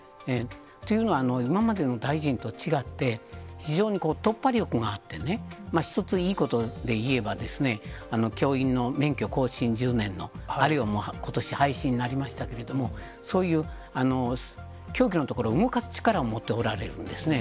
というのは、今までの大臣と違って、非常に突破力があってね、一ついいことで言えば、教員の免許更新１０年の、あれをことし廃止になりましたけれども、そういうきょうぎのところ、動かす力を持っておられるんですね。